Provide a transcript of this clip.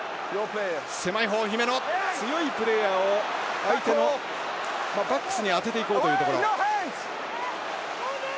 強いプレーヤーを相手のバックスに当てていこうというところ。